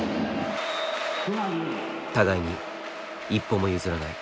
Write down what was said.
互いに一歩も譲らない。